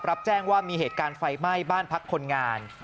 รับแจ้งว่ามีเหตุการณ์ไฟไหม้บ้านพักคนงาน